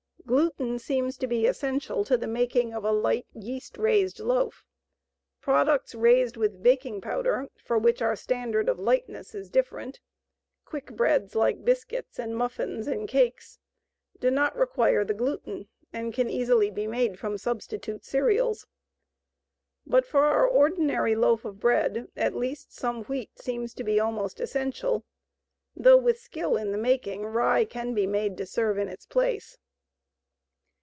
Gluten seems to be essential to the making of a light, yeast raised loaf. Products raised with baking powder, for which our standard of lightness is different "quick breads" like biscuits and muffins and cakes do not require the gluten and can easily be made from substitute cereals. But for our ordinary loaf of bread, at least some wheat seems to be almost essential, though with skill in the making, rye can be made to serve in its place.